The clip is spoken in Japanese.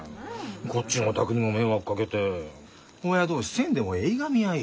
こっちのお宅にも迷惑かけて親同士せんでもええいがみ合いや。